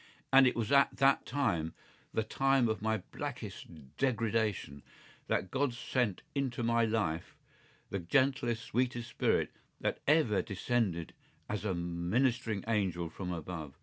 And it was at that time, the time of my blackest degradation, that God sent into my life the gentlest, sweetest spirit that ever descended as a ministering angel from above.